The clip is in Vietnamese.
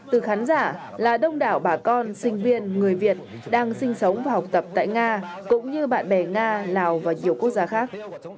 từ khán giả là đông đảo bà con sinh viên người việt đang sinh sống và học tập tại nga cũng như bạn bè nga lào và nhiều quốc gia khác